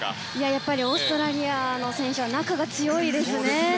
やっぱりオーストラリアの選手は中が強いですね。